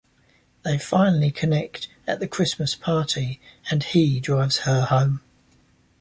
They finally connect at the Christmas party and he drives her home.